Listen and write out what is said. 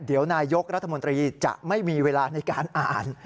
เดี๋ยวนายกรัฐมนตรีจะไม่มีเวลาในการอ่าน